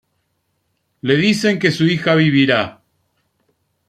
Le dicen que su hija vivirá.